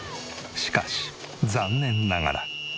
しかし残念ながら。